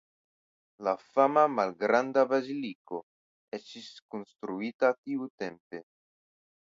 La fama malgranda baziliko estis konstruita tiutempe.